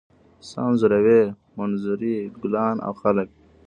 څه انځوروئ؟ منظرې، ګلان او خلک